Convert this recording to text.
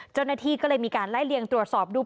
เจ้าหน้าที่ก็เลยมีการไล่เลียงตรวจสอบดู